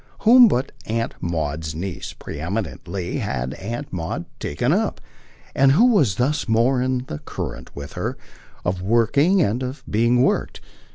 Whom but Aunt Maud's niece, pre eminently, had Aunt Maud taken up, and who was thus more in the current, with her, of working and of being worked?